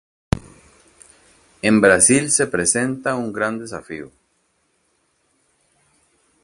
En Brasil se presenta un gran desafío.